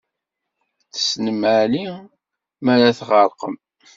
Tessnem Ɛli m'ara tɣerqem!